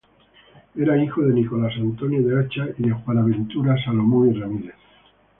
Era hijo de Nicolás Antonio de Acha y de Juana Ventura Salomón y Ramírez.